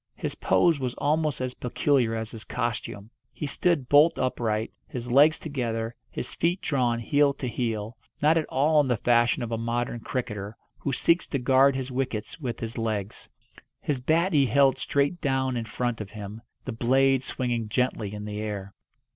His pose was almost as peculiar as his costume. He stood bolt upright, his legs together, his feet drawn heel to heel; not at all in the fashion of a modern cricketer, who seeks to guard his wickets with his legs. His bat he held straight down in front of him, the blade swinging gently in the air.